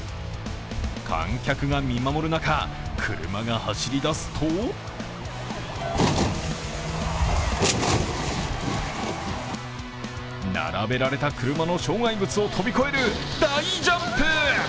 観客が見守る中、車が走りだすと並べられた車の障害物を飛び越える大ジャンプ。